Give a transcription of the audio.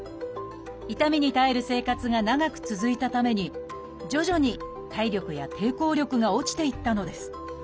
痛みに耐える生活が長く続いたために徐々に体力や抵抗力が落ちていったのです。